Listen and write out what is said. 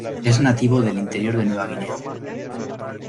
Es nativo del interior de Nueva Guinea.